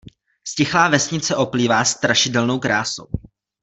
Ztichlá vesnice oplývá strašidelnou krásou.